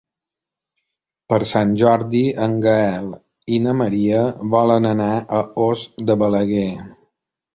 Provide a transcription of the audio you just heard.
Per Sant Jordi en Gaël i na Maria volen anar a Os de Balaguer.